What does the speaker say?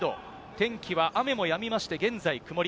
天気は雨もやみまして、現在曇り。